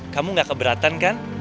kamu nggak keberatan kan